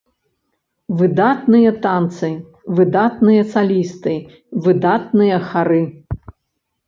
Выдатныя танцы, выдатныя салісты, выдатныя хары.